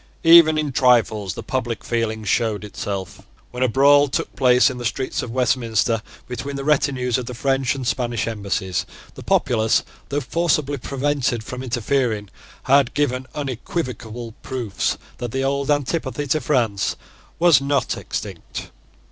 Even in trifles the public feeling showed itself. When a brawl took place in the streets of Westminster between the retinues of the French and Spanish embassies, the populace, though forcibly prevented from interfering, had given unequivocal proofs that the old antipathy to France was not extinct.